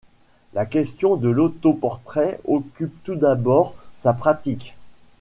La question de l'autoportrait occupe tout d'abord sa pratique.